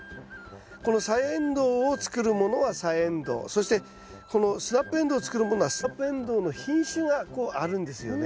このサヤエンドウを作るものはサヤエンドウそしてこのスナップエンドウを作るものはスナップエンドウの品種がこうあるんですよね。